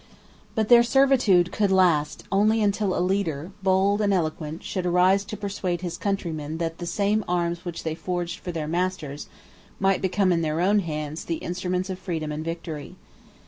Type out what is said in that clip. But their servitude could only last till a leader, bold and eloquent, should arise to persuade his countrymen that the same arms which they forged for their masters, might become, in their own hands, the instruments of freedom and victory.